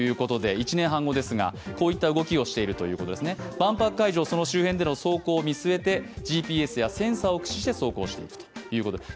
万博会場周辺での走行を見据えてＧＰＳやセンサーを駆使して走行していくということです。